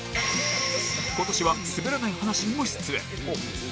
今年は『すべらない話』にも出演